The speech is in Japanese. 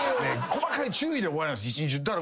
細かい注意で終わりなんです一日中。